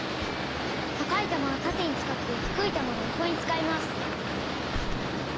たかいたまはたてにつかってひくいたまはよこにつかいます。